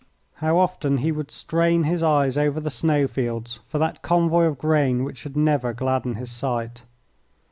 How often he would strain his eyes over the snow fields for that convoy of grain which should never gladden his sight!